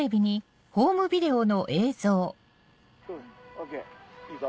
ＯＫいいぞ。